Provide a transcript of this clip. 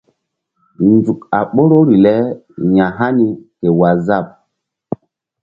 Nzuk a ɓoruri le ya̧hani kéwaazap.